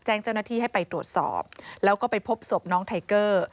แจ้งเจ้าหน้าที่ให้ไปตรวจสอบแล้วก็ไปพบศพน้องไทเกอร์